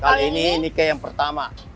kalau ini ike yang pertama